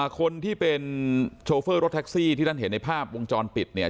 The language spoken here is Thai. คนที่เป็นโชเฟอร์รถแท็กซี่ที่ท่านเห็นในภาพวงจรปิดเนี่ย